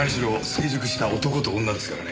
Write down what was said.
成熟した男と女ですからね。